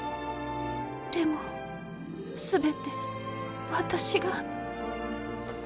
でも全て私が。